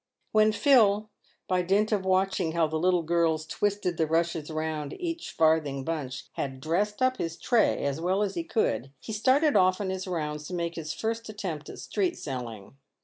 "When Phil, by dint of watching how the little girls twisted the rushes round each farthing bunch, had " dressed up" his tray as well as he could, he started off on his rounds to make his first attempt at street selling.